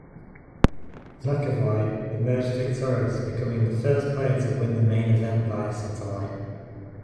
McEvoy emerged victorious becoming the first player to win the main event via satellite.